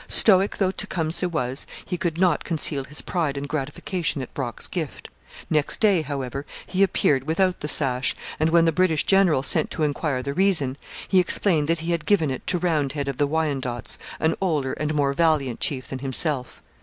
Stoic though Tecumseh was, he could not conceal his pride and gratification at Brock's gift. Next day, however, he appeared without the sash; and when the British general sent to inquire the reason, he explained that he had given it to Roundhead of the Wyandots, an older and more valiant chief than himself.